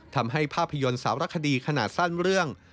ทำให้ภาพยนตร์สารคดีขนาดสั้นเรื่อง